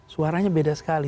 suaranya beda sekali